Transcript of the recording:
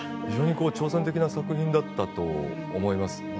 非常に挑戦的な作品だったと思います。